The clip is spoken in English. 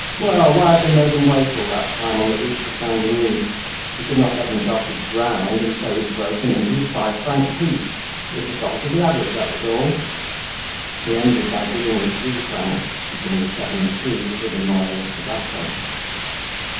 Well, why had they made him wait all that time on the Route de Saint Denis? He could not let himself be drowned and so he had broken into his five franc piece. It was the fault of the others, that was all! He ended by giving the three francs, keeping the seven sous for the morrow's tobacco.